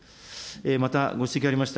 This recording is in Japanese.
また、ご指摘のありました